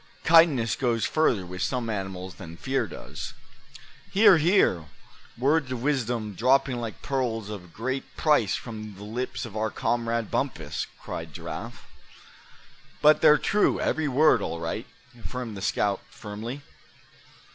Kindness goes further with some animals than fear does." "Hear! hear! words of wisdom dropping like pearls of great price from the lips of our comrade, Bumpus!" cried Giraffe. "But they're true, every word, all right," affirmed the stout scout, firmly.